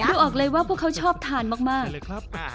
ดูอักเลยว่าพวกเขาชอบทานมากมาก